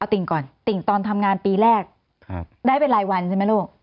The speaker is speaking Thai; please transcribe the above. ติ่งก่อนติ่งตอนทำงานปีแรกได้เป็นรายวันใช่ไหมลูก